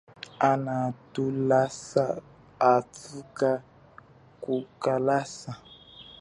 Ana thulasa hathuka kukalasa.